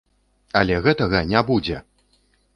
Але гэтага не будзе!